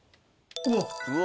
うわ！